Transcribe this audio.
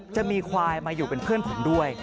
จะมีควายมาอยู่เป็นเพื่อนผมด้วย